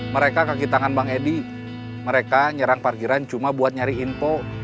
mereka nyerang parkiran cuma buat nyari info